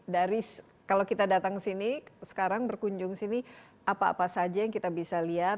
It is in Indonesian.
dari kalau kita datang ke sini sekarang berkunjung sini apa apa saja yang kita bisa lihat